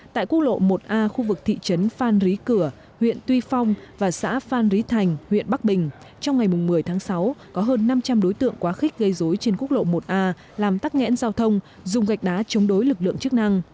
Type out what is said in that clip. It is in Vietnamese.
tại quốc lộ một a khu vực thị trấn phan rí cửa huyện tuy phong và xã phan rí thành huyện bắc bình trong ngày một mươi tháng sáu có hơn năm trăm linh đối tượng quá khích gây dối trên quốc lộ một a làm tắc nghẽn giao thông dùng gạch đá chống đối lực lượng chức năng